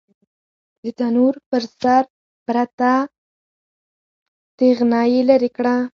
د تنور پر سر پرته تېغنه يې ليرې کړه.